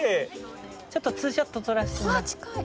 ちょっとツーショット撮らせてもらって。